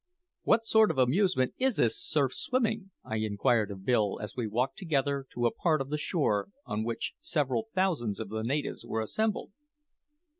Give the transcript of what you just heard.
"What sort of amusement is this surf swimming?" I inquired of Bill as we walked together to a part of the shore on which several thousands of the natives were assembled.